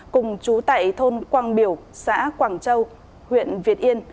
cùng chú tại thôn quang biểu xã quảng châu huyện việt yên